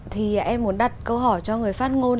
thì em muốn đặt câu hỏi cho người phát ngôn